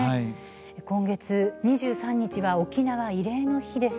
今月２３日は沖縄慰霊の日です。